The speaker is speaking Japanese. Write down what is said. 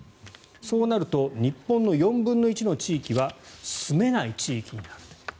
そうなると日本の４分の１の地域は住めない地域になると。